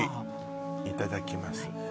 いただきます